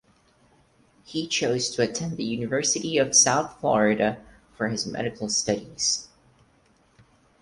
He chose to attend the University of South Florida for his medical studies.